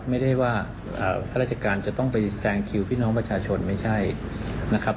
ไม่ได้ว่าข้าราชการจะต้องไปแซงคิวพี่น้องประชาชนไม่ใช่นะครับ